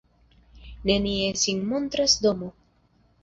Nenie sin montras domo.